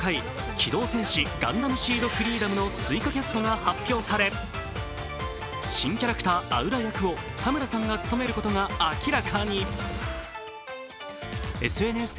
「機動戦士ガンダムＳＥＥＤＦＲＥＥＤＯＭ」の追加キャストが発表され新キャラクター・アウラ役を田村さんが務めることが明らかに。